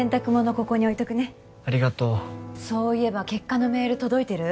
ここに置いとくねありがとうそういえば結果のメール届いてる？